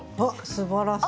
すばらしい。